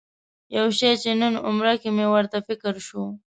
یو شي چې نن عمره کې مې ورته فکر شو.